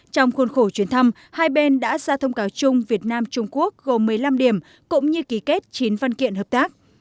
trong khuôn khổ chuyến thăm hai bên đã ra thông cáo chung việt nam trung quốc gồm một mươi năm điểm cũng như ký kết chín văn kiện hợp tác